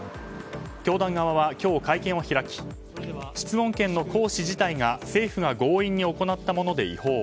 教団側は今日、会見を開き質問権の行使自体が政府が強引に行ったもので違法。